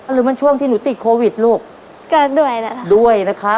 หรือมันช่วงที่หนูติดโควิดลูกก็ด้วยนะคะด้วยนะคะ